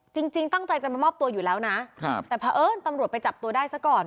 จริงจริงตั้งใจจะมามอบตัวอยู่แล้วนะครับแต่เพราะเอิญตำรวจไปจับตัวได้ซะก่อน